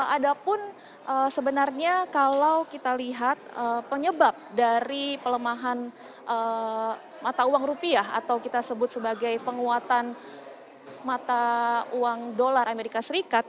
ada pun sebenarnya kalau kita lihat penyebab dari pelemahan mata uang rupiah atau kita sebut sebagai penguatan mata uang dolar amerika serikat